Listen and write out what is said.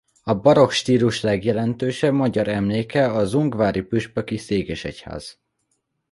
A barokk stílus legjelentősebb magyar emléke az ungvári püspöki székesegyház.